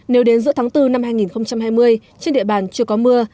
nếu đến giữa tháng bốn năm hai nghìn hai mươi trên địa bàn chưa có mưa